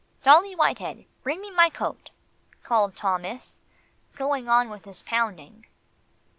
"Dollie Whitehead, bring me my coat," called Thomas, going on with his pounding.